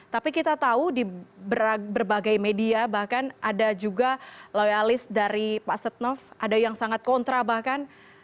tapi kita tahu di berbagai media bahkan ada juga loyalis dari pak setnov ada yang sangat kontra bahkan